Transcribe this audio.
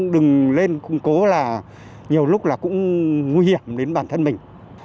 đừng lên khủng cố là nhiều lúc là cũng nguy hiểm đến bản thân mình